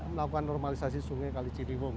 melakukan normalisasi sungai kali ciliwung